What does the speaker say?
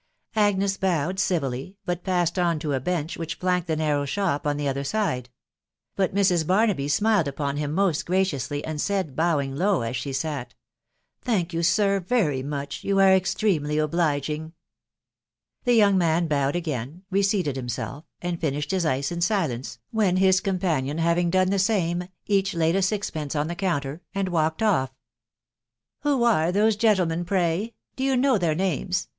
Agnes bowed' civilly, but: passed on, to a bench which flanked the narrow shop 0*1 the other side ; but Mrs. Barnaby smiled upon him moat giaoiousiyv and said; bowing low as she sat, —Thank you, sir, very much .... you are* eatramely obliging/* The young man bowed again, reseated himself, and fimabad his ice in silence, when his companion having done the sano, each laid a sixpence on the counter, and walked off; " Who are those gentlemen, pray ?«... do you know their names